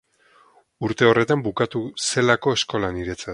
Urte horretan bukatu zelako eskola niretzat.